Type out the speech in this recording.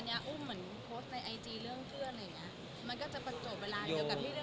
ก่อนอันเนี้ยเหมือนโพสต์ในไอจีเรื่องเพื่อนอะไรอย่างเงี้ย